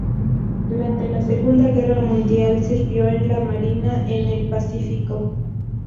Durante la Segunda Guerra Mundial sirvió en la Marina, en el Pacífico.